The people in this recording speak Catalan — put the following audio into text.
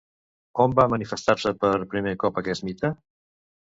On va manifestar-se, per primer cop, aquest mite?